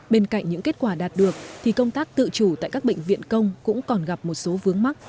bên cạnh những kết quả đạt được thì công tác tự chủ tại các bệnh viện công cũng còn gặp một số vướng mắt